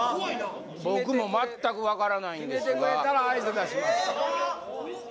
僕も全く分からないんですが決めてくれたら合図出します